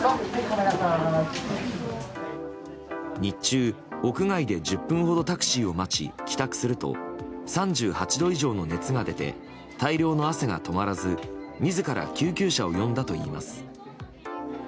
日中、屋外で１０分ほどタクシーを待ち帰宅すると３８度以上の熱が出て大量の汗が止まらず自ら救急車を呼んだといいます。